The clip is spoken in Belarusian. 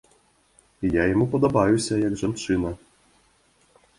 Я яму падабаюся як жанчына.